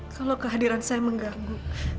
kalau kehadiran saya mengganggu